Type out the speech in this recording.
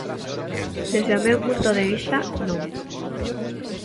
Desde o meu punto de vista, non.